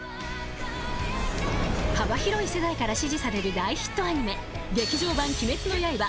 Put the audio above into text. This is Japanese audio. ［幅広い世代から支持される大ヒットアニメ『劇場版「鬼滅の刃」